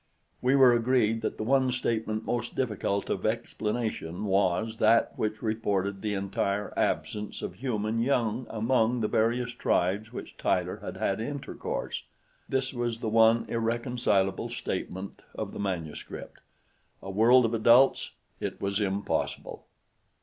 We were agreed that the one statement most difficult of explanation was that which reported the entire absence of human young among the various tribes with which Tyler had had intercourse. This was the one irreconcilable statement of the manuscript. A world of adults! It was impossible.